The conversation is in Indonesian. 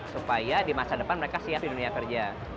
supaya di masa depan mereka siap di dunia kerja